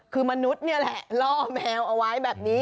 คือมนุษย์นี่แหละล่อแมวเอาไว้แบบนี้